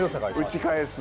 打ち返す。